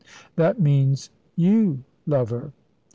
"That means, you love her."